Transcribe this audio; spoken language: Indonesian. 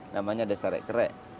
namanya desa rekere